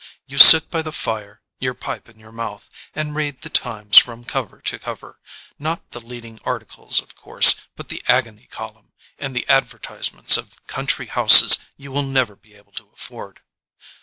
You sit by the fire, your pipe in your mouth, and read the Times from cover to cover, not the leading articles of course but the agony column and the advertisements of country houses you will never be able to afford.